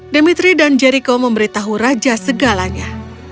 demitri dan jericko memberitahu raja segalanya